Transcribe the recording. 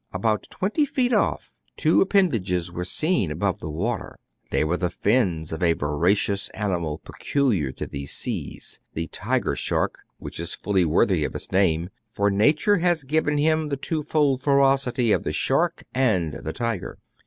About twenty feet off, two appendages were seen above the water. They were the fins of a 240 TRIBULATIONS OF A CHINAMAN, voracious animal peculiar to these seas, — the tiger shark, which is fully worthy of its name ; for nature has given him the twofold ferocity of the shark and the tiger.